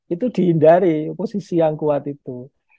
itu dihindari oposisi yang kuat itu